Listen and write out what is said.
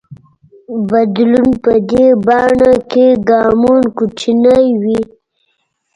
بدلون په دې بڼه کې ګامونه کوچني وي.